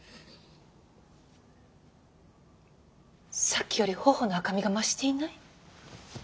さっきより頬の赤みが増していない？